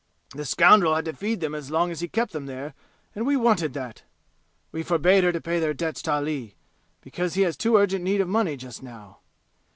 The scoundrel had to feed them as long as he kept them there, and we wanted that. We forbade her to pay their debts to Ali, because he has too urgent need of money just now.